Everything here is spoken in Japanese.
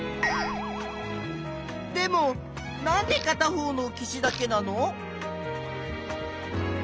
でもなんでかた方の岸だけなの？